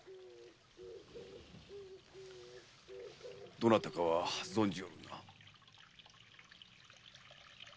どなたかは存じおろうな？